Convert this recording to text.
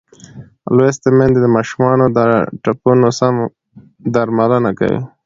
لوستې میندې د ماشومانو د ټپونو سم درملنه کوي.